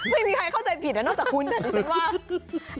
ไม่มีใครเข้าใจผิดนะนอกจากคุณนะ